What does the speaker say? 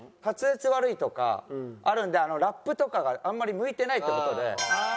滑舌悪いとかあるんでラップとかがあんまり向いてないって事で。